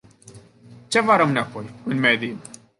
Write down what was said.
Ce va rămâne apoi, în medie?